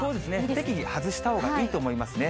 適宜、外したほうがいいと思いますね。